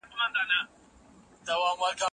شاګرد ته د نظر د څرګندولو حق ورکول کېږي.